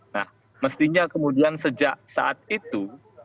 nah mestinya kemudian sejak saat itu